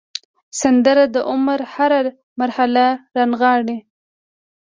سندره د عمر هره مرحله رانغاړي